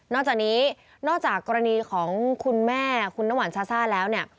จากนี้นอกจากกรณีของคุณแม่คุณน้ำหวานซาซ่าแล้วเนี่ย